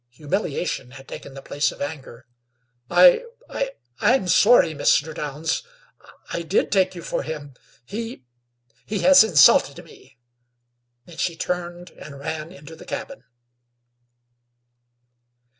Humiliation had taken the place of anger. "I I am sorry, Mr. Downs. I did take you for him. He he has insulted me." Then she turned and ran into the cabin.